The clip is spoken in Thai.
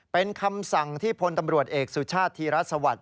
เป็นคำสั่งที่พลตำรวจเอกสุชาติธีรสวัสดิ